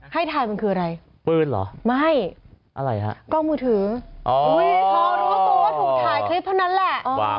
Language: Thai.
ดูตัวถูกถ่ายแค่นั้นแหละ